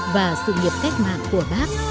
và sự nghiệp cách mạng của bác